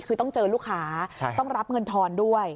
คือต้องเจอลูกค้าต้องรับเงินทอนด้วย